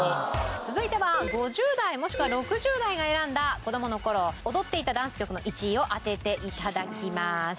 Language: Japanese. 続いては５０代もしくは６０代が選んだ子どもの頃踊っていたダンス曲の１位を当てて頂きます。